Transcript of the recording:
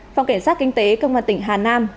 phòng cảnh sát kinh tế cơ quan tỉnh hà nam